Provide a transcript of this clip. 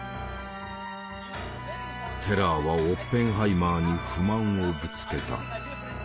テラーはオッペンハイマーに不満をぶつけた。